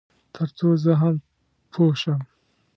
تر څو زه هم پوه شم.